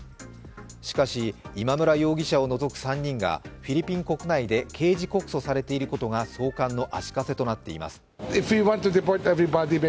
しかし、今村容疑者を除く３人がフィリピン国内で刑事告訴されていることが送還の足かせになっています。